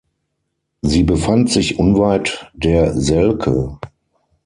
Sie befand sich unweit der Selke.